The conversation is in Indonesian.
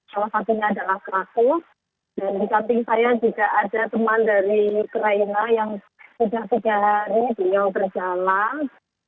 salah satunya adalah pelaku dan di samping saya juga ada teman dari ukraina yang sudah tiga hari beliau berjalan